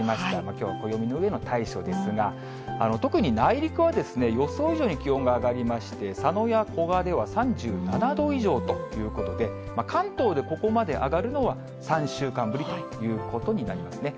きょうは暦のうえの大暑ですが、特に内陸は予想以上に気温が上がりまして、佐野や古河では３７度以上ということで、関東でここまで上がるのは３週間ぶりということになりますね。